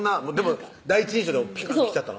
第一印象でピカーンきちゃったの？